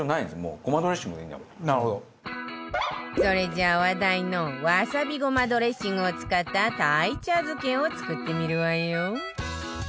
それじゃあ話題のわさびごまドレッシングを使った鯛茶漬けを作ってみるわよ